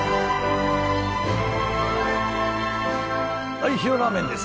・はい塩ラーメンです